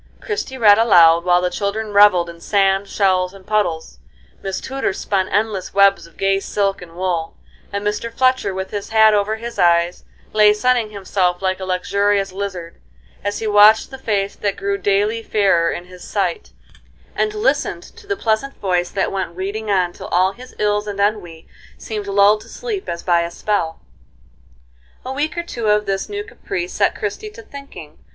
Christie read aloud, while the children revelled in sand, shells, and puddles; Miss Tudor spun endless webs of gay silk and wool; and Mr. Fletcher, with his hat over his eyes, lay sunning himself like a luxurious lizard, as he watched the face that grew daily fairer in his sight, and listened to the pleasant voice that went reading on till all his ills and ennui seemed lulled to sleep as by a spell. A week or two of this new caprice set Christie to thinking.